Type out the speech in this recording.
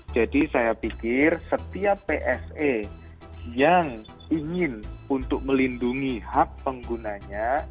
jadi saya pikir setiap bse yang ingin untuk melindungi hak penggunanya